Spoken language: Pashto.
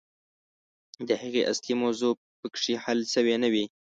د هغې اصلي موضوع پکښې حل سوې نه وي.